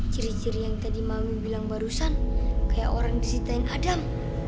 ciri ciri yang tadi mami bilang barusan kayak orang disitain adam